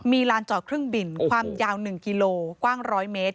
มีลานจอดเครื่องบินความยาว๑กิโลกว้าง๑๐๐เมตร